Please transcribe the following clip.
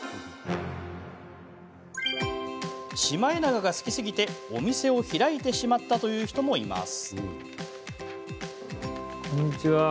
シマエナガが好きすぎてお店を開いてしまったという人もいます。